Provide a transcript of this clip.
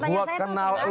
buat kenal ulama cina